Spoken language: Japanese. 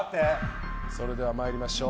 それでは参りましょう。